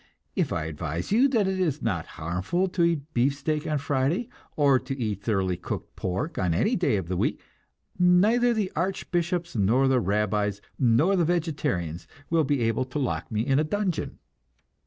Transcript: If I advise you that it is not harmful to eat beefsteak on Friday, or to eat thoroughly cooked pork any day of the week, neither the archbishops nor the rabbis nor the vegetarians will be able to lock me in a dungeon.